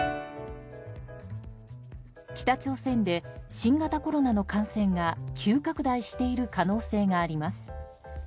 北朝鮮で新型コロナの感染が急拡大している可能性があります。